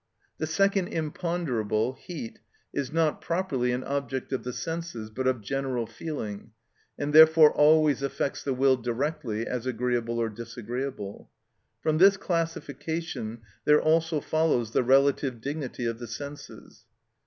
The second imponderable, heat, is not properly an object of the senses, but of general feeling, and therefore always affects the will directly, as agreeable or disagreeable. From this classification there also follows the relative dignity of the senses.